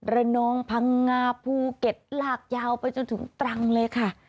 ระนองพังงาภูเก็ตลากยาวไปจนถึงตรังเลยค่ะ